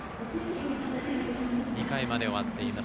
２回まで終わっています。